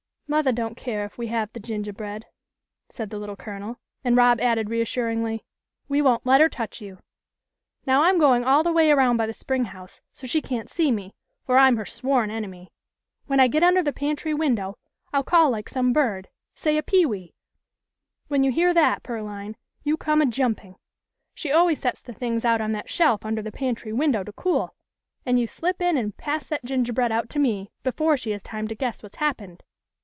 " Mothah doesn't care if we have the gingahbread," said the Little Colonel, and Rob added, reassuringly, "We won't let her touch you. Now I'm going all 24 THE LITTLE COLONEL'S HOLIDAYS. the way around by the spring house, so she can't see me, for I'm her sworn enemy. When I get under the pantry window I'll call like some bird say a pewee. When you hear that, Pearline, you just come a jumping. She always sets the things out on that shelf under the pantry window to cool, and you slip in and pass that gingerbread out to me before she has time to guess what's happened."